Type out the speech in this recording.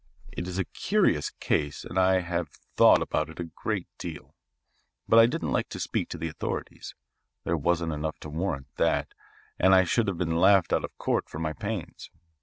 It is a curious case and I have thought about it a great deal. But I didn't like to speak to the authorities; there wasn't enough to warrant that, and I should have been laughed out of court for my pains.